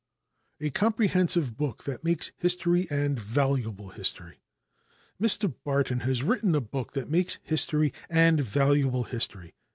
"A Comprehensive Book That Makes History, and Valuable History." Mr. Barton has written a book that makes history, and valuable history.